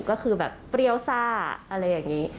ก็คือแบบเปรี้ยวซ่าอะไรอย่างนี้